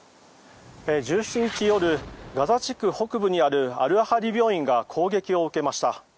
１７日夜、ガザ地区北部にあるアルアハリ病院が攻撃を受けました。